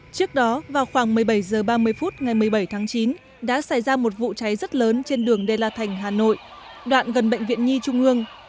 trước đó vào khoảng một mươi bảy h ba mươi phút ngày một mươi bảy tháng chín đã xảy ra một vụ cháy rất lớn trên đường đê la thành hà nội đoạn gần bệnh viện nhi trung ương